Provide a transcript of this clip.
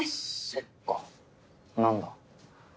そっか何だ。